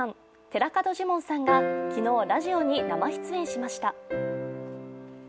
寺門ジモンさんが昨日、ラジオに生出演しました。